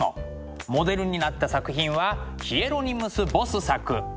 モデルになった作品はヒエロニムス・ボス作「快楽の園」です。